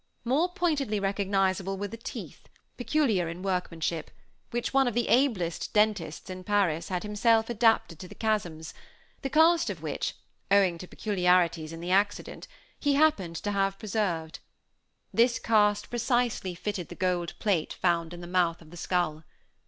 More pointedly recognizable were the teeth, peculiar in workmanship, which one of the ablest dentists in Paris had himself adapted to the chasms, the cast of which, owing to peculiarities in the accident, he happened to have preserved. This cast precisely fitted the gold plate found in the mouth of the skull.